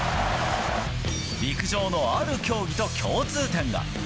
陸上のある競技と共通点が。